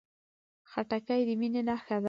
خټکی د مینې نښه ده.